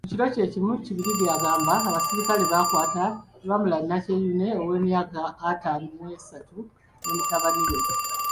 Mu kiro kyekimu, Kibirige agamba abasirikale baakwata Lamulah Nakyeyune owemyaka ataano mw'esatu ne mutabani we.